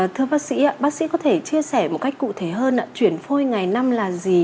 thưa bác sĩ bác sĩ có thể chia sẻ một cách cụ thể hơn ạ chuyển phôi ngày năm là gì